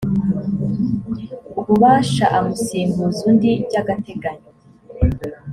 ububasha amusimbuza undi by agateganyo